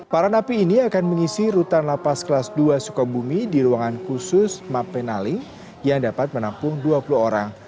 para napi ini akan mengisi rutan lapas kelas dua sukabumi di ruangan khusus map penali yang dapat menampung dua puluh orang